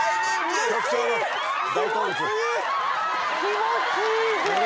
気持ちいい！